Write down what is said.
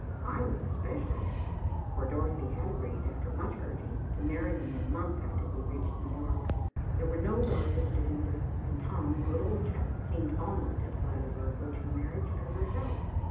I was especially anxious, for Dorothy had agreed, after much urging, to marry me a month after we reached New York. There were no relatives to hinder, and Tom, good old chap, seemed almost as glad of our approaching marriage as ourselves.